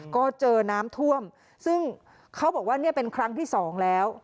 ก็เจอน้ำท่วมซึ่งเขาบอกว่าเนี่ยเป็นครั้งที่สองแล้ว